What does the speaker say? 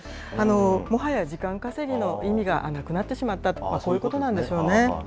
もはや時間稼ぎの意味がなくなってしまったと、こういうことなんでしょうね。